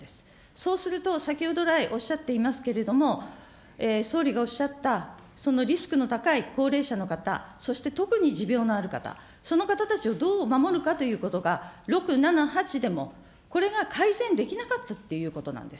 そうすると、先ほど来おっしゃっていますけれども、総理がおっしゃったそのリスクの高い高齢者の方、そして特に持病のある方、その方たちをどう守るかということが６、７、８でもこれが改善できなかったっていうことなんです。